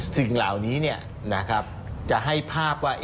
สิ่งเหล่านี้จะให้ภาพว่า